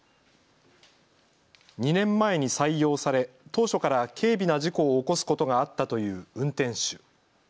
２年前に採用され、当初から軽微な事故を起こすことがあったという運転手。